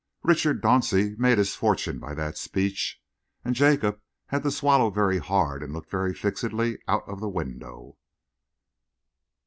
Richard Dauncey made his fortune by that speech and Jacob had to swallow very hard and look very fixedly out of the window.